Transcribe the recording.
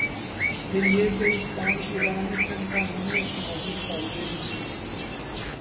پھر یہ کہ اس کام کی راہ میں چند قانونی اور سماجی رکاوٹیں بھی ہیں۔